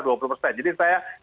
jadi saya sangat menghargai